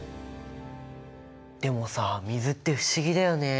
でもさ水って不思議だよね。